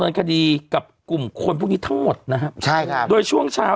มีคนไปตัดต่อคลิปก็เยอะ